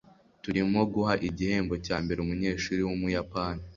turimo guha igihembo cyambere umunyeshuri wumuyapani